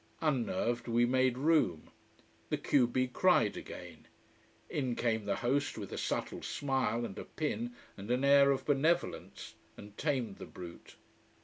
Unnerved, we made room: the q b cried again: in came the host with a subtle smile and a pin and an air of benevolence, and tamed the brute.